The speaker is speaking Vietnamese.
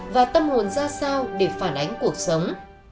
và tâm hồn ra sao để phản ánh cuộc sống